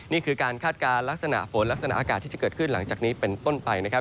นี่คือการคาดการณ์ลักษณะฝนลักษณะอากาศที่จะเกิดขึ้นหลังจากนี้เป็นต้นไปนะครับ